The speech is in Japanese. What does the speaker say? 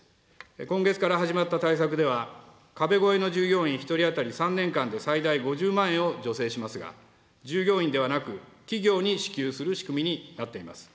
今月から始まった対策では、壁越えの従業員１人当たり３年間で最大５０万円を助成しますが、従業員ではなく企業に支給する仕組みになっています。